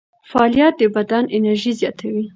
فعالیت د بدن انرژي زیاتوي.